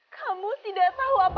kamu tidak tahu apa